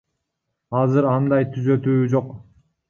Азыр андай түзөтүү жок.